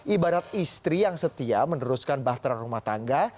ibarat istri yang setia meneruskan bahtera rumah tangga